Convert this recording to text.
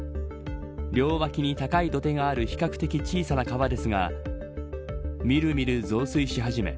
両脇に高い土手がある比較的小さな川ですがみるみる増水し始め